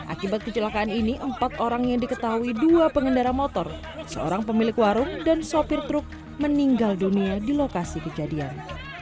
akibat kecelakaan ini empat orang yang diketahui dua pengendara motor seorang pemilik warung dan sopir truk meninggal dunia di lokasi kejadian